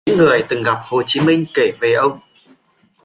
Những người từng gặp Hồ Chí Minh kể về ông